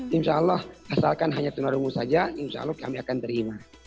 insya allah asalkan hanya tunarungu saja insya allah kami akan terima